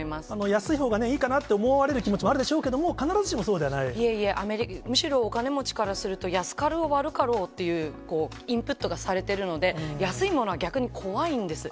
安いほうがいいかなって思われる気持ちもあるでしょうけれどいえいえ、むしろお金持ちからすると、安かろう悪かろうっていうインプットがされてるので、安いものは逆に怖いんです。